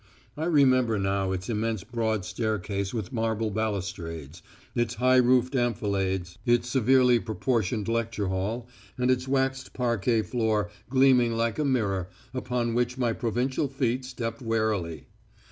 I remember now its immense broad staircase with marble balustrades, its high roofed amphilades, its severely proportioned lecture hall, and its waxed parquet floor, gleaming like a mirror, upon which my provincial feet stepped warily.